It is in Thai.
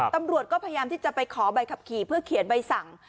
ตำรวจก็พยายามที่จะไปขอใบขับขี่เพื่อเขียนใบสั่ง